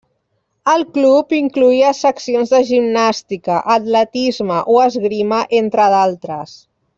El club incloïa seccions de gimnàstica, atletisme o esgrima entre d'altes.